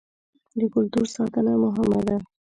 د کلتور ساتنه مهمه ده.